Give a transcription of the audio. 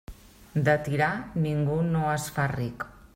De tirar, ningú no es fa ric.